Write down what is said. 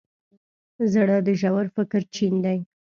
زړه د ژور فکر چین دی.